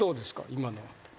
今のは。